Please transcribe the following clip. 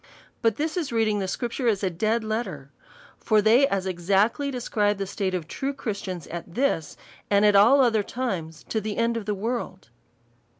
But this is read ing the Scripture as a dead letter : for they as exactly describe the state of true Christians at this, and all other times to the end of the world.